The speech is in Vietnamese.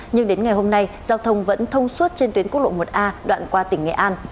nhưng đến ngày hôm nay giao thông vẫn thông suốt trên tuyến quốc lộ một a đoạn qua tỉnh nghệ an